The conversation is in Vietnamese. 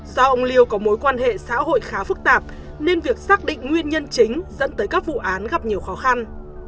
do ông liêu có mối quan hệ xã hội khá phức tạp nên việc xác định nguyên nhân chính dẫn tới các vụ án gặp nhiều khó khăn